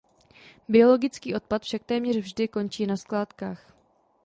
Biologický odpad však téměř vždy končí na skládkách.